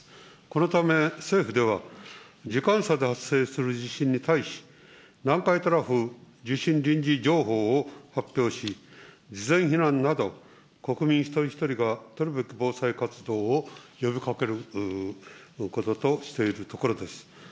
このため、政府では、時間差で発生する地震に対し、南海トラフ地震臨時情報を発表し、事前避難など、国民一人一人が取るべき防災活動を呼びかけることとしているところです。